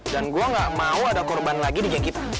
dan gue gak mau ada korban lagi di geng kita